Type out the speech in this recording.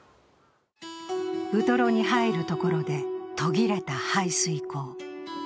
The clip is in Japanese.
ウトロに入るところで途切れた排水溝。